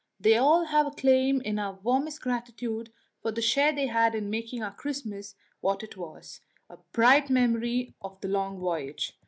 They all have a claim to our warmest gratitude for the share they had in making our Christmas what it was a bright memory of the long voyage.